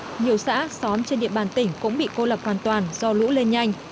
nhiều xã xóm trên địa bàn tỉnh cũng bị cô lập hoàn toàn do lũ lên nhanh